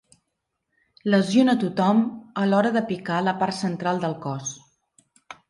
Lesiona tothom a l'hora de picar la part central del cos.